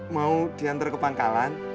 mau diantar ke pangkalan